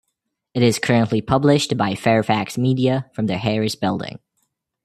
It is currently published by Fairfax Media, from the Harris Building.